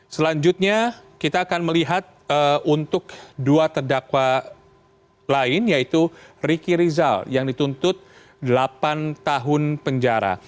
selanjutnya kita akan melihat untuk dua terdakwa lain yaitu riki rizal yang dituntut delapan tahun penjara